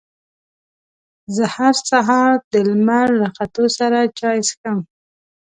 زه هر سهار د لمر له ختو سره چای څښم.